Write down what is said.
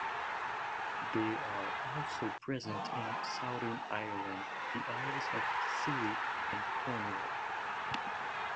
They are also present in southern Ireland, the Isles of Scilly and Cornwall.